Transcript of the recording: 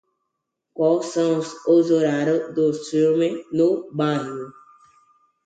Quais são os horários dos filmes no bairro?